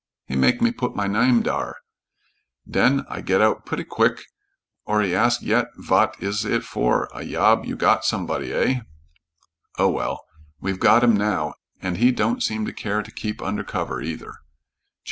He make me put my name dere; den I get out putty quvick or he ask yet vat iss it for a yob you got somebody, eh?" "Oh, well, we've got him now, and he don't seem to care to keep under cover, either."